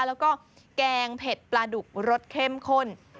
แล้วก็แกงเผ็ดปลาดุกรสเข้มข้น